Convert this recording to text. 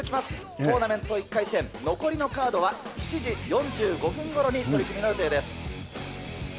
トーナメント１回戦、残りのカードは７時４５分ごろに取組予定です。